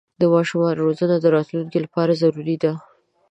د ماشومانو روزنه د راتلونکي لپاره ضروري ده.